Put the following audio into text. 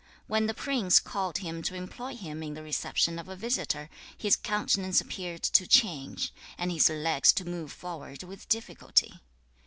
When the prince called him to employ him in the reception of a visitor, his countenance appeared to change, and his legs to move forward with difficulty.